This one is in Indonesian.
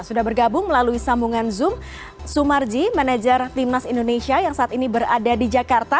sudah bergabung melalui sambungan zoom sumarji manajer timnas indonesia yang saat ini berada di jakarta